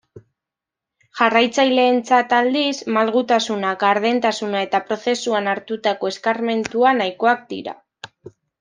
Jarraitzaileentzat aldiz, malgutasuna, gardentasuna eta prozesuan hartutako eskarmentua, nahikoak dira.